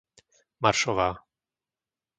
Maršová